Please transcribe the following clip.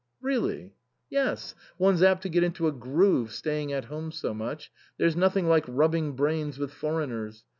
"Really?" " Yes. One's apt to get into a groove staying at home so much. There's nothing like rubbing brains with foreigners.